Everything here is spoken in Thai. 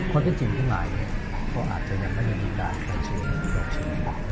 โปรดอันการพ่อกดจันทรัพย์ไม่มีด้านผ่านชื่อจบโอเค